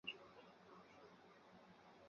这个晚上